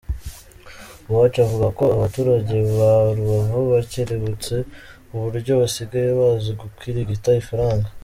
Uwacu avuga ko abaturage ba Rubavu bacyerebutse kuburyo basigaye bazi gukirigita ifaranga.